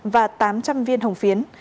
và tám trăm linh viên hồng phiến